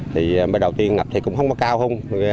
thì bây đầu tiên ngập thì cũng không có cao không